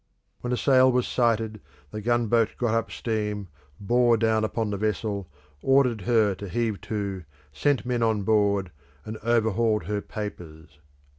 When a sail was sighted, the gunboat got up steam, bore down upon the vessel, ordered her to heave to, sent men on board, and overhauled her papers.